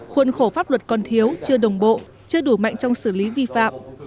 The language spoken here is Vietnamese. khuôn khổ pháp luật còn thiếu chưa đồng bộ chưa đủ mạnh trong xử lý vi phạm